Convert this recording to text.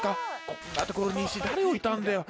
こんなところに石誰置いたんだよ？